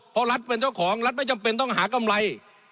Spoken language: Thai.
เพราะรัฐเป็นเจ้าของรัฐไม่จำเป็นต้องหากำไร